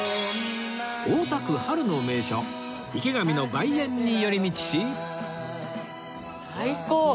大田区春の名所池上の梅園に寄り道し